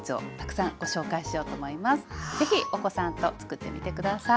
ぜひお子さんとつくってみて下さい。